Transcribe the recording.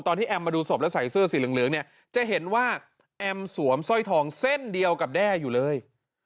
แอมมาดูศพแล้วใส่เสื้อสีเหลืองเนี่ยจะเห็นว่าแอมสวมสร้อยทองเส้นเดียวกับแด้อยู่เลย